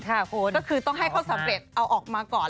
ค่ะคุณก็คือต้องให้เขาสำเร็จเอาออกมาก่อน